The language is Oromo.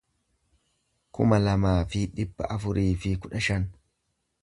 kuma lamaa fi dhibba afurii fi kudha shan